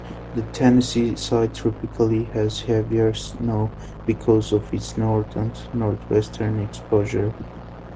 The Tennessee side typically has heavier snow because of its north and northwestern exposure.